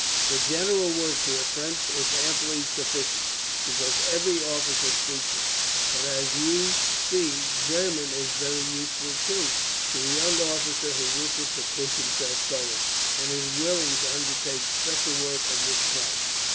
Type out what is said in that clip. For general work here French is amply sufficient, because every officer speaks it; but as you see, German is very useful, too, to a young officer who wishes to push himself forward, and is willing to undertake special work of this kind."